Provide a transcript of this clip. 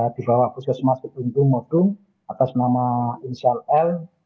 di bawah puskesmas kebentung modul atas nama insial l